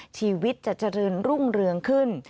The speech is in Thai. ชีวิตจะเจริญรุ่งเรืองขึ้น